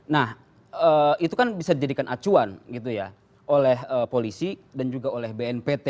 nah itu kan bisa dijadikan acuan gitu ya oleh polisi dan juga oleh bnpt